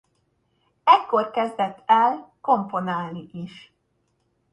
Ekkor kezdett el komponálni is.